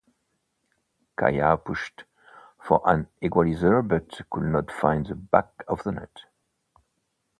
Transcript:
Kaya pushed for an equalizer but could not find the back of the net.